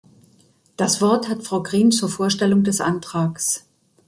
Das Wort hat Frau Green zur Vorstellung des Antrags.